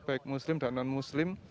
baik muslim dan non muslim